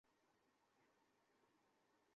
আমি গিয়ে মিসেস ভার্মাকে সুখবর টা দিয়ে আসি।